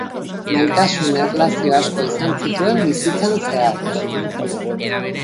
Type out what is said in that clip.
Maitasun erlazio asko izan zituen bizitzan zehar.